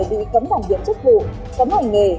bị cấm bằng việc chức vụ cấm hành nghề